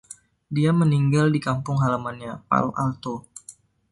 Dia meninggal di kampung halamannya Palo Alto.